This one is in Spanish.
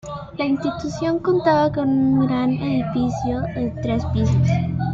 La Institución contaba con un gran edificio de tres pisos.